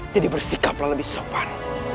jadi bersikaplah lebih sopan